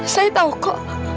saya tau kok